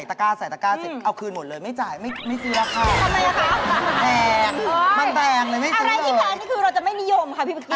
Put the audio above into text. ทำไมล่ะคะก็คุณเป็นนักข่าวสายบันเทิง